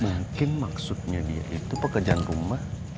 mungkin maksudnya dia itu pekerjaan rumah